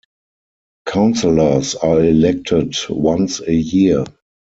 Counselors are elected once a year.